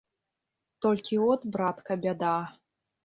Толькі от, братка, бяда!